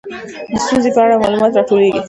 د ستونزې په اړه معلومات راټولیږي.